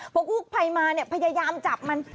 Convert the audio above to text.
พอกู้ภัยมาเนี่ยพยายามจับมัน